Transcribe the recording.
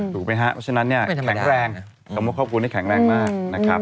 ถูกไหมครับเพราะฉะนั้นเนี่ยแข็งแรงคำว่าครอบครัวนี้แข็งแรงมากนะครับ